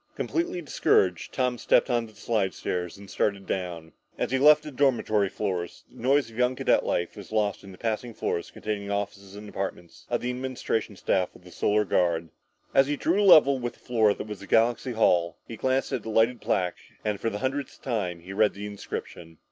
Completely discouraged, Tom stepped on the slidestairs and started down. As he left the dormitory floors, the noise of young cadet life was soon lost and he passed floors containing offices and apartments of the administration staff of the Solar Guard. As he drew level with the floor that was Galaxy Hall, he glanced at the lighted plaque and for the hundredth time reread the inscription